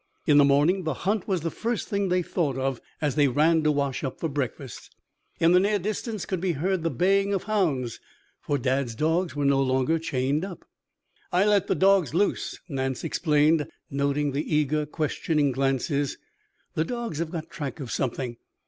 In the morning the hunt was the first thing they thought of as they ran to wash up for breakfast. In the near distance could be heard the baying of hounds, for Dad's dogs were no longer chained up. "I let the dogs loose," Nance explained, noting the eager, questioning glances. "The dogs have got track of something.